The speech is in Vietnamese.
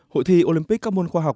hội thi olympic các môn khoa học